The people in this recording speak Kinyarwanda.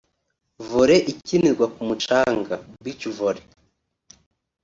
Volley ikinirwa ku mucanga (Beach Volley)